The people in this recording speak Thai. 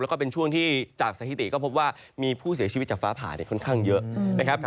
แล้วก็เป็นช่วงที่จากสถิติก็พบว่ามีผู้เสียชีวิตจากฟ้าผ่าค่อนข้างเยอะนะครับ